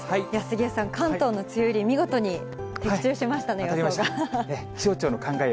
杉江さん、関東の梅雨入り、見事に的中しましたね、予想が。